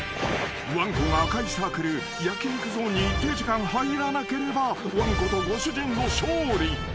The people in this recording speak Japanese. ［わんこが赤いサークル焼き肉ゾーンに一定時間入らなければわんことご主人の勝利］